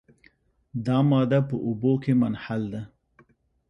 دا ماده په اوبو کې منحل ده.